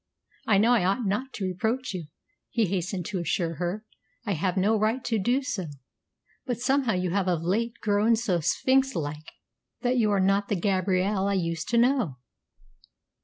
"I know I ought not to reproach you," he hastened to assure her. "I have no right to do so; but somehow you have of late grown so sphinx like that you are not the Gabrielle I used to know."